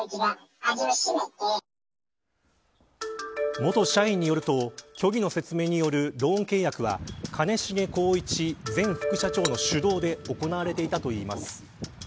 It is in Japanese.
元社員によると虚偽の説明によるローン契約は兼重宏一前副社長の主導で行われていたといいます。